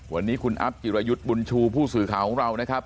วันนี้คุณอัพจิรยุทธ์บุญชูผู้สื่อข่าวของเรานะครับ